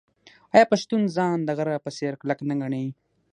آیا پښتون ځان د غره په څیر کلک نه ګڼي؟